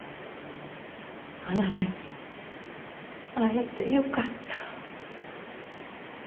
あなたに会えてよかった。